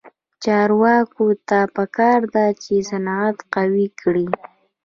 چارواکو ته پکار ده چې، صنعت قوي کړي.